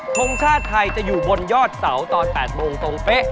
ทรงชาติไทยจะอยู่บนยอดเสาตอน๘โมงตรงเป๊ะ